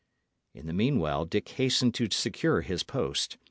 In the meanwhile Dick hastened to secure his post.